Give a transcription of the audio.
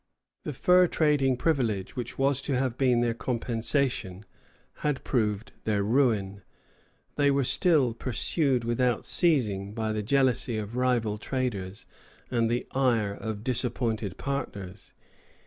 The fur trading privilege which was to have been their compensation had proved their ruin. They were still pursued without ceasing by the jealousy of rival traders and the ire of disappointed partners.